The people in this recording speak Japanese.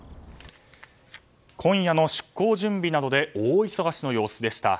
今夜の出港準備などで大忙しの様子でした。